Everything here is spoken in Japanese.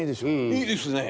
いいですね。